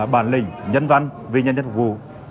bản lĩnh nhân văn viên nhân dân phục vụ